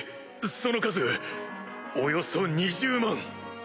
その数およそ２０万。